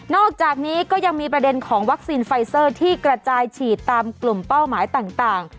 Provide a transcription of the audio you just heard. อกจากนี้ก็ยังมีประเด็นของวัคซีนไฟเซอร์ที่กระจายฉีดตามกลุ่มเป้าหมายต่าง